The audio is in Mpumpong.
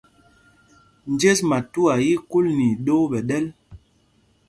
Njes matuá í í kúl nɛ idōō ɓɛ ɗɛ́l.